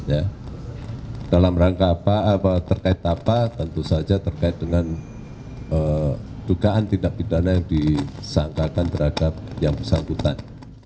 ya dalam rangka apa terkait apa tentu saja terkait dengan dugaan tindak pidana yang disangkakan terhadap yang bersangkutan